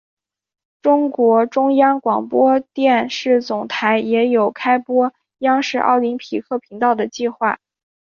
中国中央广播电视总台也有开播央视奥林匹克频道的计划。